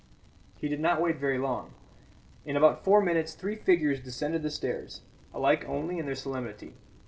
He did not wait very long. In about four minutes three figures descended the stairs, alike only in their solemnity.